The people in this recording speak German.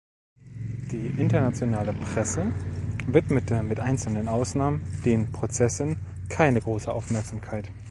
Die internationale Presse widmete mit einzelnen Ausnahmen den Prozessen keine große Aufmerksamkeit.